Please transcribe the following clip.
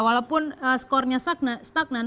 walaupun skornya stagnan